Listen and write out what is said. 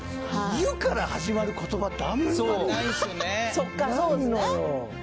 「ゆ」から始まる言葉ってあんまりないのよ。